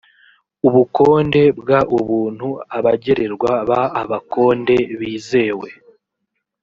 ubukonde bw ubuntu abagererwa b abakonde bizewe